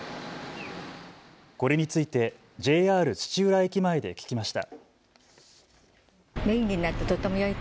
これについてＪＲ土浦駅前で聞きました。